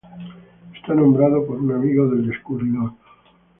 Está nombrado por un amigo del descubridor.